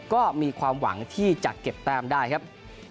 ก็มีความหวังที่จะเก็บแต้มได้ครับ